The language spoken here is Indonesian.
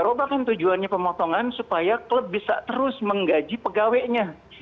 di klub klub eropa kan tujuannya pemotongan supaya klub bisa terus menggaji pegawainya